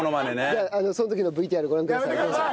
じゃあその時のＶＴＲご覧ください。